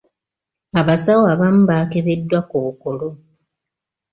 Abasawo abamu baakebeddwa Kkookolo.